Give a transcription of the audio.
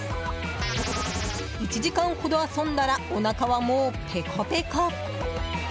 １時間ほど遊んだらおなかは、もうペコペコ。